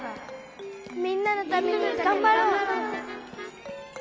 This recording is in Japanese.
みんなのためにがんばろう。